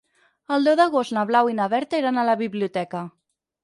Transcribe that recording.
El deu d'agost na Blau i na Berta iran a la biblioteca.